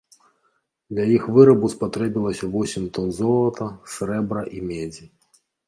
Для іх вырабу спатрэбілася восем тон золата, срэбра і медзі.